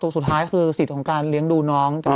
สุดท้ายคือสิทธิ์ของการเลี้ยงดูน้อง